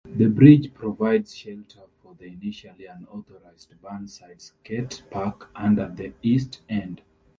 The bridge provides shelter for the initially unauthorized Burnside Skatepark under the east end.